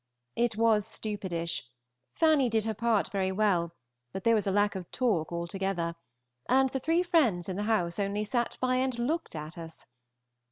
It was stupidish; Fanny did her part very well, but there was a lack of talk altogether, and the three friends in the house only sat by and looked at us.